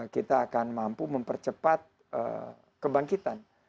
kita akan mampu mempercepat kebangkitan